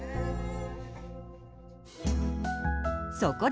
そこで！